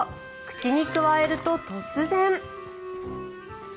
口にくわえると、突然。